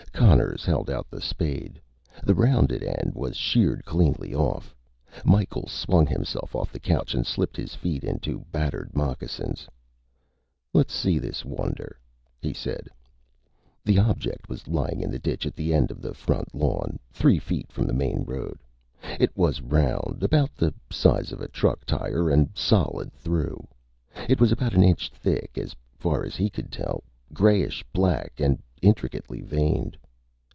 Conners held out the spade. The rounded end was sheared cleanly off. Micheals swung himself off the couch and slipped his feet into battered moccasins. "Let's see this wonder," he said. The object was lying in the ditch at the end of the front lawn, three feet from the main road. It was round, about the size of a truck tire, and solid throughout. It was about an inch thick, as far as he could tell, grayish black and intricately veined.